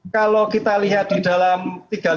kalau kita lihat di dalam tiga hal